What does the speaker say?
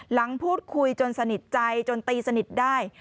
หลังพูดคุยจนสนิทใจจนตีสนิทได้